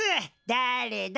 だれだ？